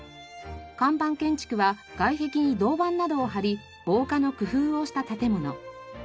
看板建築は外壁に銅板などを貼り防火の工夫をした建物。